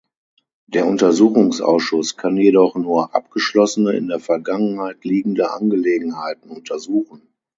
Der Untersuchungsausschuss kann jedoch nur abgeschlossene, in der Vergangenheit liegende Angelegenheiten untersuchen.